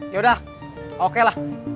yaudah oke lah